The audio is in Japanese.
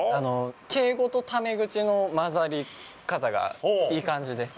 敬語とタメ口の混ざり方がいい感じです、